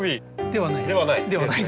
ではない？